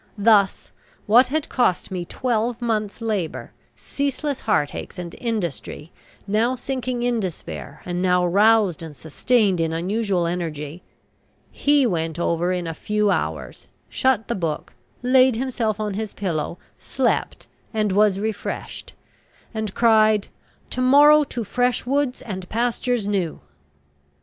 Thus, what had cost me twelve months' labour, ceaseless heartaches and industry, now sinking in despair, and now roused and sustained in unusual energy, he went over in a few hours, shut the book, laid himself on his pillow, slept, and was refreshed, and cried, "To morrow to fresh woods and pastures new."